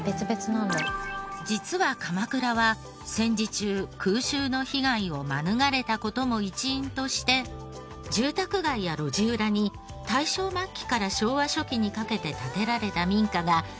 実は鎌倉は戦時中空襲の被害を免れた事も一因として住宅街や路地裏に大正末期から昭和初期にかけて建てられた民家が多く現存。